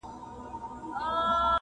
کرۍ ورځ پر باوړۍ ګرځي ګړندی دی -